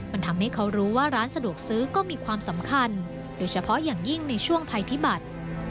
มันทำให้เขารู้ว่าร้านสะดวกซื้อก็มีความสำคัญโดยเฉพาะอย่างยิ่งในช่วงภัยพิบัติ